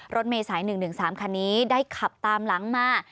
รถเมษาย๑๑๓คันนี้ได้ขับตามหลังมา